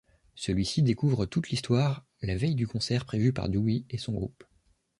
Celui-ci découvre toute l'histoire la veille du concert prévu par Dewey et son groupe.